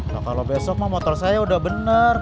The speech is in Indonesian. nah kalau besok mah motor saya udah benar